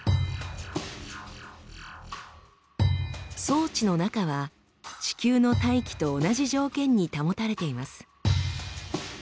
装置の中は地球の大気と同じ条件に保たれています。